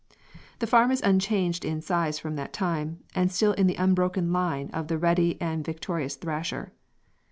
The farm is unchanged in size from that time, and still in the unbroken line of the ready and victorious thrasher.